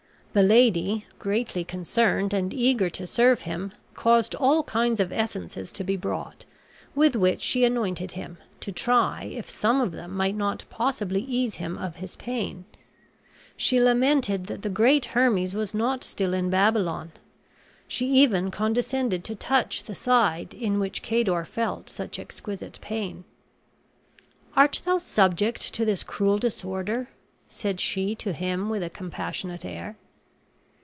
The lady, greatly concerned, and eager to serve him, caused all kinds of essences to be brought, with which she anointed him, to try if some of them might not possibly ease him of his pain. She lamented that the great Hermes was not still in Babylon. She even condescended to touch the side in which Cador felt such exquisite pain. "Art thou subject to this cruel disorder?" said she to him with a compassionate air.